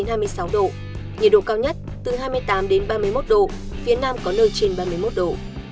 nhiệt độ cao nhất từ hai mươi tám ba mươi một độ phía nam có nơi trên ba mươi một độ